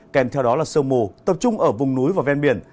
kèm theo đó là sương mù tập trung ở vùng núi và ven biển